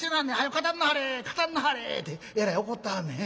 語んなはれ語んなはれ』ってえらい怒ってはんねん。